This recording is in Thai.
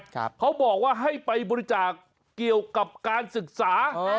เขาบอกว่าให้ไปบริจาคเกี่ยวกับการศึกษา